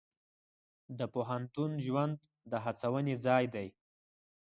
د پوهنتون ژوند د هڅونې ځای دی.